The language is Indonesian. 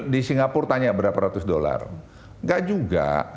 di singapura tanya berapa ratus dolar nggak juga